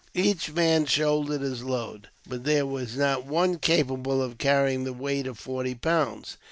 Each man shouldered his load; but there was not one capable of carrying the weight of forty pounds.